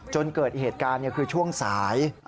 จนเกิดเหตุการณ์คือช่วงสาย